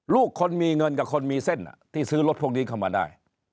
ลูกคนมีเงินกับคนมีเส้นที่ซื้อรถพวกนี้เข้ามาได้